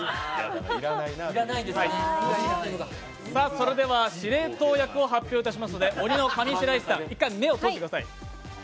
それでは司令塔役を発表いたしますので、鬼の上白石さん、一回、目を閉じてください。